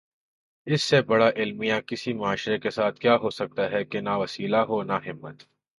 اس سے بڑا المیہ کسی معاشرے کے ساتھ کیا ہو سکتاہے کہ نہ وسیلہ ہو نہ ہمت۔